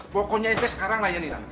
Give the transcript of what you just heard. pokoknya ente sekarang layan layan